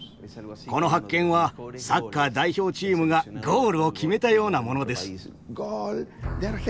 この発見はサッカー代表チームがゴールを決めたようなものです。